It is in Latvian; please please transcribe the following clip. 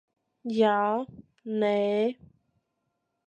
Jā. Nē.